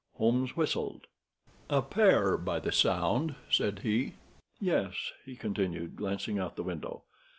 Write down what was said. Holmes whistled. "A pair, by the sound," said he. "Yes," he continued, glancing out of the window.